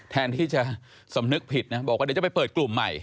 แทนที่จะสำนึกผิดนะบอกว่าเดี๋ยวจะไปเปิดกลุ่มใหม่